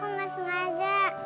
aku nggak sengaja